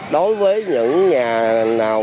đối với những nhà nào